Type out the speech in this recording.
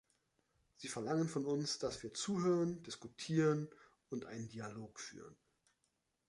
Sie verlangen von uns, dass wir zuhören, diskutieren und einen Dialog führen.